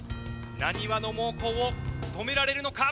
なにわの猛攻を止められるのか？